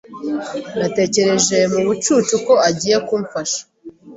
Natekereje mubucucu ko agiye kumfasha.